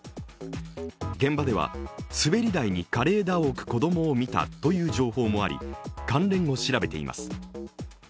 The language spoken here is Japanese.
現場では滑り台に枯れ枝を置く子供を見たという情報もあり、関連を調べています。